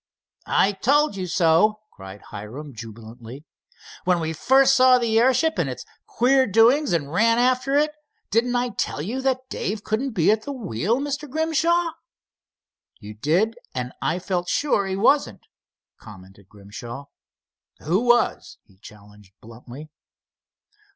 "I told you so!" cried Hiram, jubilantly. "When we first saw the airship and its queer doings, and ran after it, didn't I tell you that Dave couldn't be at the wheel, Mr. Grimshaw?" "You did, and I felt sure he wasn't," commented Grimshaw. "Who was?" he challenged, bluntly.